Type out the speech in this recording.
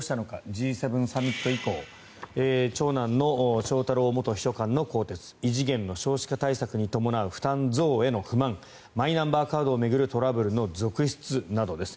Ｇ７サミット以降長男の翔太郎元秘書官の更迭異次元の少子化対策に伴う負担増への不満マイナンバーカードを巡るトラブルの続出などです。